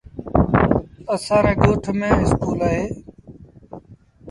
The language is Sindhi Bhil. اسآݩ ري ڳوٺ ميݩ اسڪول اهي۔